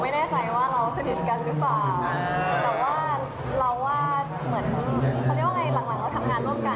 ไม่แน่ใจว่าเราสนิทกันหรือเปล่าแต่ว่าเราว่าเหมือนเขาเรียกว่าไงหลังหลังเราทำงานร่วมกัน